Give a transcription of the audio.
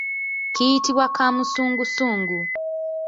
Kiyitibwa kaamusungusungu.